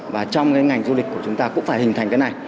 và trong cái ngành du lịch của chúng ta cũng phải hình thành cái này